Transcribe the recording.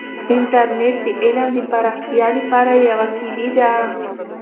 انټرنیټ د علم د پراختیا لپاره یوه کیلي ده.